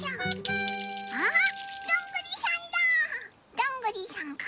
どんぐりさんだ！